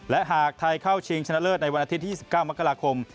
และหากไทยเข้าชิงชนะเลิศในวันอาทิตย์๒๙มกราคม